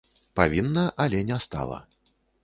Павінна, але не стала.